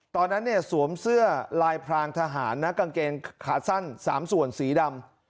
ตอนนั้นเนี่ยสวมเสื้อลายพรางทหารนะกางเกงขาสั้น๓ส่วนสีดำ